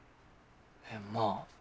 えっまぁ。